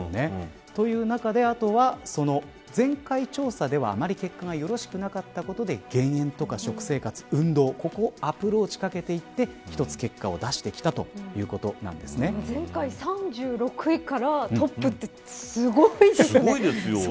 前回調査ではあまり結果がよろしくなかったことで減塩や食生活運動にアプローチをかけていって一つ結果を出してきた前回３６位からトップってすごいですよね。